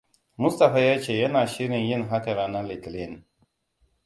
Mustapha yace yana shirin yin haka ranan Litinin.